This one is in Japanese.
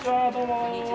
こんにちは。